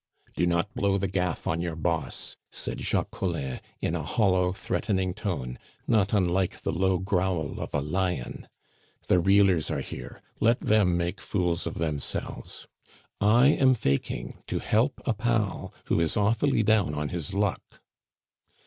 "Do not blow the gaff on your Boss!" said Jacques Collin in a hollow threatening tone, not unlike the low growl of a lion. "The reelers are here; let them make fools of themselves. I am faking to help a pal who is awfully down on his luck."